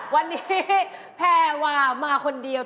วันนี้แพวกิฟต์มาคนเดียว